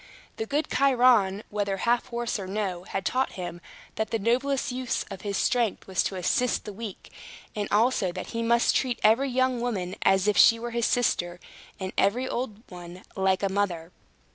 The good Chiron, whether half horse or no, had taught him that the noblest use of his strength was to assist the weak; and also that he must treat every young woman as if she were his sister, and every old one like a mother.